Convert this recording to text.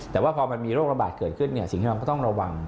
แต่ว่าพอมันมีโรคระบาดเกิดขึ้นสิ่งที่เราก็ต้องระวัง